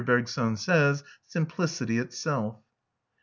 Bergson says, simplicity itself.